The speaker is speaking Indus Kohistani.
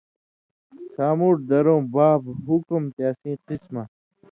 سامُوٹھھ درؤں (باب) حُکُم تے اسیں قِسمہ